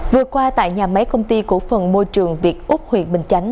vừa qua tại nhà máy công ty cổ phần môi trường việt úc huyện bình chánh